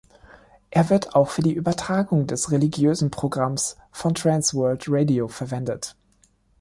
Er wird auch für die Übertragung des religiösen Programms von Trans World Radio verwendet.